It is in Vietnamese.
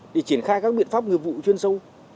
để triển khai các biện pháp nghiệp vụ chuyên sâu